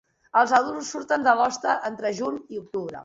Els adults surten de l'hoste entre juny i octubre.